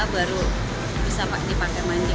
baru bisa dipakai mandi